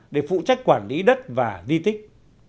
để phụ trách quản lý đất và di tích